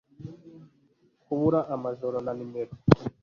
Kubura amajoro nta numero